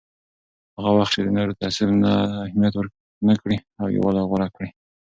هڅه وکړه چې د نورو تعصب ته اهمیت ورنه کړې او یووالی غوره کړه.